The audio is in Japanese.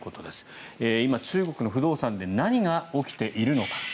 今、中国の不動産で何が起きているのか。